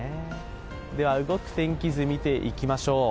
動く天気図を見ていきましょう。